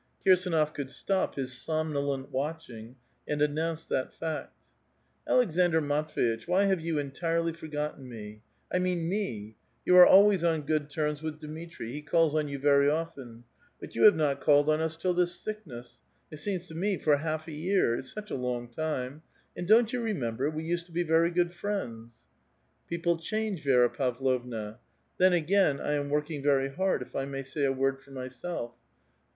Kir s&nof could stop his somnolent watching, and announced that fact. '' Aleksandr IMatv^iti^h, whj' have you entireh forgotten me, — 1 mean mef You are alwa^'s on good terms with Dmitri ; he culls on you very often ; but you have not called on us till this sickness — it seems to me for a half a year, it's such a long time ! and, don't you remember, we used to be very good friends ?"" People change, Vi6ra Pavlovna. Then, again, I am working very hard, if I may say a word for myself.